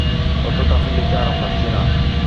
অর্থাৎ আমি লিখে আরাম পাচ্ছি না।